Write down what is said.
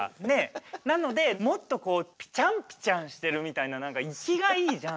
なのでもっとこうピチャンピチャンしてるみたいな何か生きがいいじゃん。